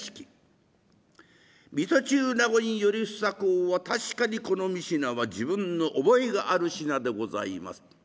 水戸中納言頼房公は確かにこの三品は自分の覚えがある品でございます。